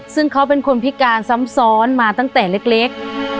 ซึ่งเขาเป็นคนพิการซ้ำซ้อนมาตั้งแต่เล็ก